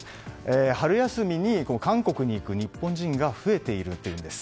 春休みに韓国に行く日本人が増えているというんです。